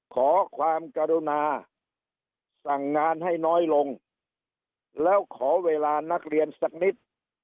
ขอความกรุณาสั่งงานให้น้อยลงแล้วขอเวลานักเรียนสักนิด